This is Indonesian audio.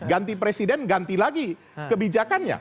ganti presiden ganti lagi kebijakannya